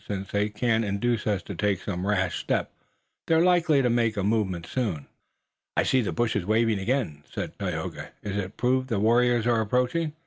Since they can't induce us to take some rash step they're likely to make a movement soon." "I see the bushes waving again," said Tayoga. "It is proof that the warriors are approaching.